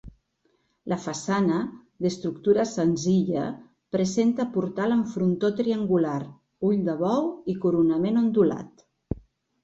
La façana, d'estructura senzilla, presenta portal amb frontó triangular, ull de bou i coronament ondulat.